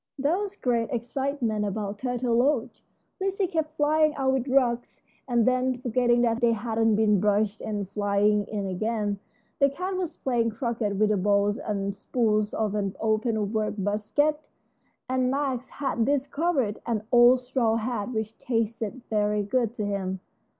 There was great excitement about Turtle Lodge. Lizzie kept flying out with rugs, and then forgetting they hadn't been brushed and flying in again. The cat was playing croquet with the balls and spools of an open work basket, and Max had discovered an old straw hat which tasted very good to him.